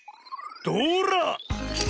どら！